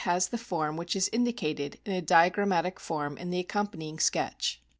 6o A BOOK OF WHALES the form which is indicated in a diagrammatic form in the accompanying sketch.